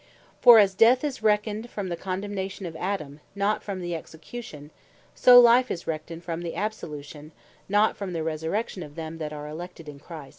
For as Death is reckoned from the Condemnation of Adam, not from the Execution; so life is reckoned from the Absolution, not from the Resurrection of them that are elected in Christ.